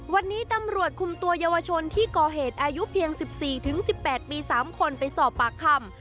วันนี้ตำรวจคุมตัวเยาวชนที่ก่อเหตุอายุเพียง๑๔๑๘ปี๓คนไปสอบปากคำ